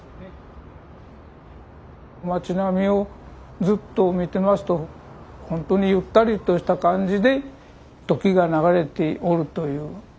町並みをずっと見てますとほんとにゆったりとした感じで時が流れておるという。